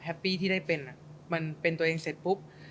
ปี้ที่ได้เป็นมันเป็นตัวเองเสร็จปุ๊บ